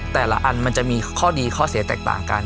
แต่ละอันมันจะมีข้อดีข้อเสียแตกต่างกัน